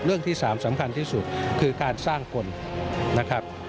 เรื่องที่๓สำคัญที่สุดคือการสร้างกลนะครับ